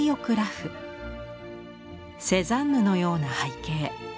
セザンヌのような背景。